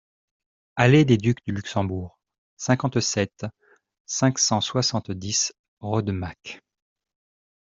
Allée des Ducs du Luxembourg, cinquante-sept, cinq cent soixante-dix Rodemack